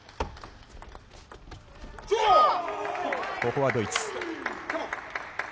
ここはドイツ。